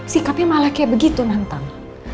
sikapnya malah kayak begitu nantang